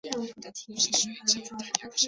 德川治济在宝历元年十一月初六。